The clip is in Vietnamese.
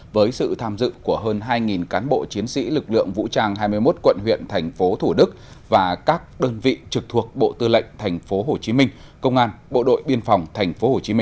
với sự tham dự của hơn hai cán bộ chiến sĩ lực lượng vũ trang hai mươi một quận huyện thành phố thủ đức và các đơn vị trực thuộc bộ tư lệnh tp hcm công an bộ đội biên phòng tp hcm